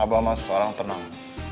apa mas sekarang tenang